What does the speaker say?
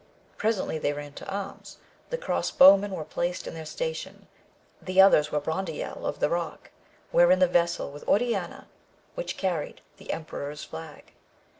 presently they ran to arms : the cross bowmen were placed in their station, the others with Brondajel of the Rock, were in the vessel with Oriana, which car ried the Emperor's flag.